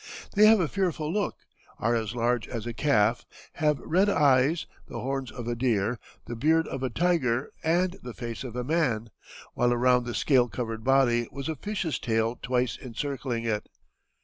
They have a fearful look, are as large as a calf, have red eyes, the horns of a deer, the beard of a tiger, and the face of a man, while around the scale covered body was a fish's tail twice encircling it.